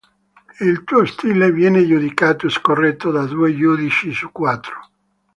Il suo stile viene giudicato scorretto da due giudici su quattro.